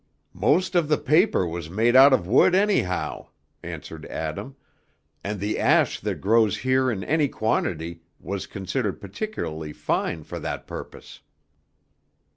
"Most of the paper was made out of wood, anyhow," answered Adam, "and the ash that grows here in any quantity was considered particularly fine for that purpose."